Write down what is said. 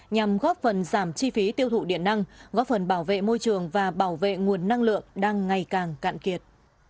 nhằm góp phần giảm chi phí tiêu thụ điện năng góp phần bảo vệ môi trường và bảo vệ nguồn năng lượng đang ngày càng cạn kiệt